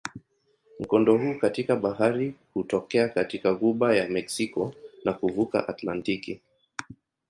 Mkondo huu katika bahari hutokea katika ghuba ya Meksiko na kuvuka Atlantiki.